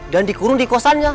dan dikurung di kosannya